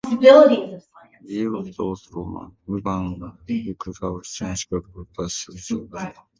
While those Roman, urban, republican sensibilities persisted, there were many movements and changes afoot.